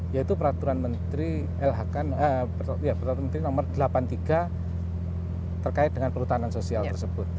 yaitu peraturan menteri lhk peraturan menteri no delapan puluh tiga terkait dengan perhutanan sosial tersebut